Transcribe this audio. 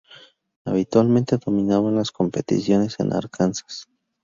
Habitualmente dominaban las competiciones en Arkansas.